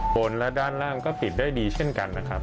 บนและด้านล่างก็ปิดได้ดีเช่นกันนะครับ